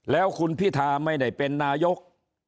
แล้วคุณพิธาไม่ได้เป็นนายก